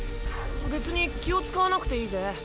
別に気を遣わなくていいぜ。